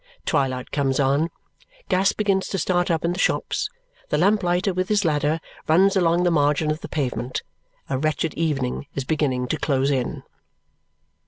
Twilight comes on; gas begins to start up in the shops; the lamplighter, with his ladder, runs along the margin of the pavement. A wretched evening is beginning to close in.